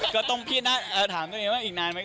ก็ต้องพี่นะถามตัวเองว่าอีกนานไหม